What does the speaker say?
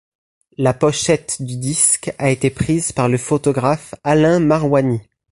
La pochette du disque a été prise par le photographe Alain Marouani.